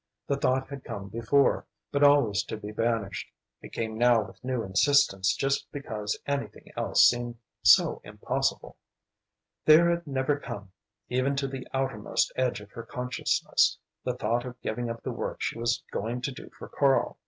The thought had come before, but always to be banished. It came now with new insistence just because anything else seemed so impossible. There had never come, even to the outermost edge of her consciousness, the thought of giving up the work she was going to do for Karl.